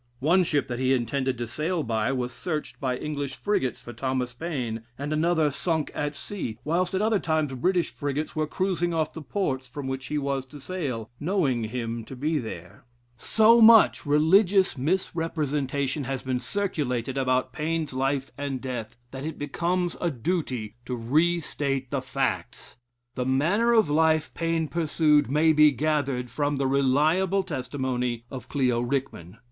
One ship that he intended to sail by, was searched by English frigates for Thomas Paine, and another sunk at sea, whilst at other times British frigates were cruising off the ports from which he was to sail, knowing him to be there. So much religious misrepresentation has been circulated about Paine's life and death, that it becomes a duty to restate the facts. The manner of life Paine pursued may be gathered from the reliable testimony of Clio Rickman.